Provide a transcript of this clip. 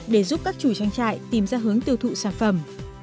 để giúp các chủ trang trại tìm ra hướng tiêu thụ sản phẩm